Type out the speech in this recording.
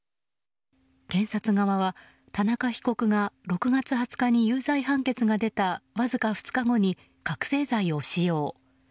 検察側は、田中被告が６月２０日に有罪判決が出たわずか２日後に覚醒剤を使用。